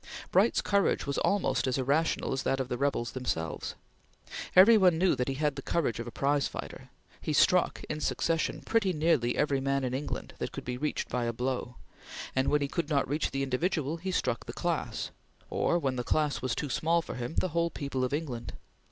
Bright's courage was almost as irrational as that of the rebels themselves. Every one knew that he had the courage of a prize fighter. He struck, in succession, pretty nearly every man in England that could be reached by a blow, and when he could not reach the individual he struck the class, or when the class was too small for him, the whole people of England.